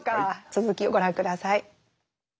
続きをご覧下さい。